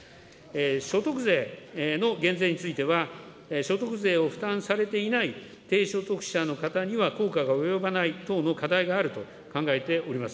所得税の減税については、所得税を負担されていない低所得者の方には効果が及ばない等の課題があると考えております。